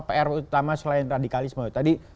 pr utama selain radikalisme tadi